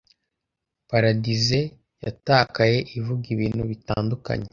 Paradise Yatakaye ivuga ibintu bitandukanye